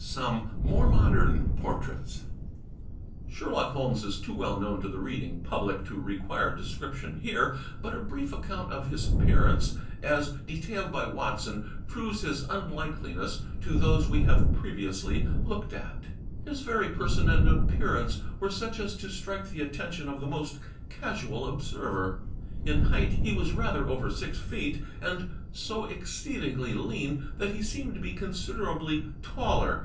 Some More Modern Portraits Sherlock Holmes is too well known to the reading public to require description here, but a brief accoimt of his appear ance, as detailed by Watson, proves his unlikeness to those we have previously looked at: PORTRAITS 157 His very person and appearance were such as to strike the at tention of the most casual observer. In height he was rather over six feet, and so exceedingly lean that he seemed to be considerably taller.